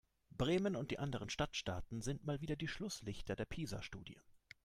Bremen und die anderen Stadtstaaten sind mal wieder die Schlusslichter der PISA-Studie.